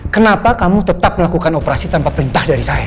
kenapa kamu tetap melakukan operasi tanpa perintah dari saya